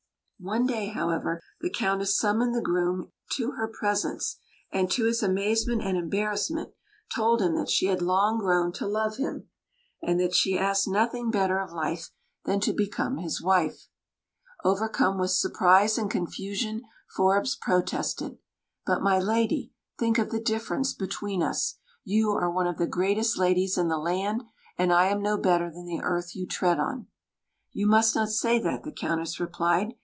One day, however, the Countess summoned the groom to her presence, and, to his amazement and embarrassment, told him that she had long grown to love him, and that she asked nothing better of life than to become his wife. Overcome with surprise and confusion, Forbes protested "But my lady, think of the difference between us. You are one of the greatest ladies in the land, and I am no better than the earth you tread on." "You must not say that," the Countess replied.